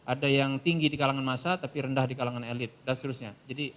ada yang tinggi di kalangan masa tapi rendah di kalangan elit dan seterusnya